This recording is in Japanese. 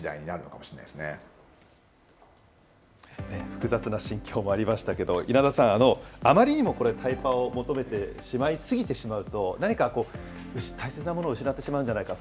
複雑な心境もありましたけど、稲田さん、あまりにもこれ、タイパを求めてしまいすぎてしまうと、何かこう、大切なものを失ってしまうんじゃないか、